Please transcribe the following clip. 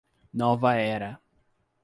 Nova Era